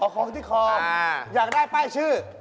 ของที่คออยากได้ป้ายชื่อ